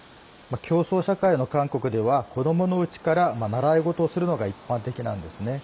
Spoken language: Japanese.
競争社会の韓国では子どものうちから習い事をするのが一般的なんですね。